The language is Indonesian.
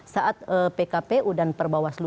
saat pkpu dan perbawaslu